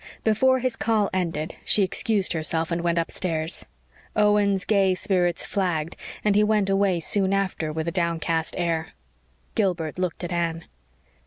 Before his call ended she excused herself and went upstairs. Owen's gay spirits flagged and he went away soon after with a downcast air. Gilbert looked at Anne.